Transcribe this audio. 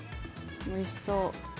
おいしそう。